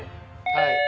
はい。